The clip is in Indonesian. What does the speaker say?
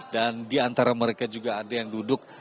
dan di antara mereka juga ada yang berdiri di tengah